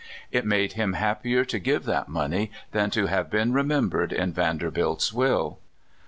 It made him happier to give that money than to have been remembered in Vanderbilt's will.